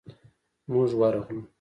موږ ورغلو.